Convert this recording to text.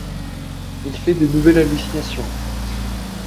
Il fait de nouvelles hallucinations.